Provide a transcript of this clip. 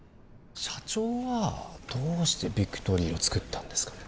社長はどうしてビクトリーをつくったんですかね？